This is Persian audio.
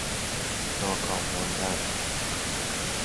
ناکام ماندن